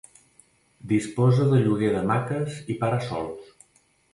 Disposa de lloguer d'hamaques i para-sols.